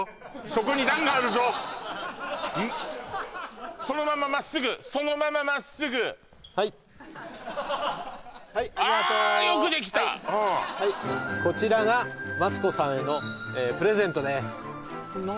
そこに段があるぞそのまままっすぐそのまままっすぐはいはいありがとうああよくできたこちらがマツコさんへのプレゼントです何？